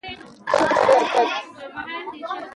دا فشار خج بلل کېږي.